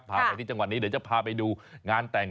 พาไปที่จังหวัดนี้เดี๋ยวจะพาไปดูงานแต่ง